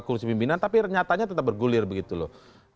kursi pimpinan tapi nyatanya tetap bergulir begitu loh